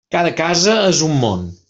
Cada casa és un món.